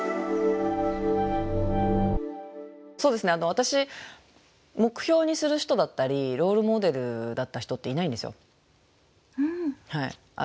私目標にする人だったりロールモデルだった人っていないんですよ。